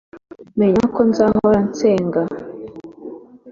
menya ko nzahora nsenga